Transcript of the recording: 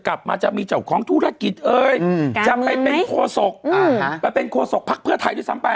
กลับมาจะมีเจ้าของธุรกิจเอ้ยจะไปเป็นโคศกไปเป็นโคศกภักดิ์เพื่อไทยด้วยซ้ำไป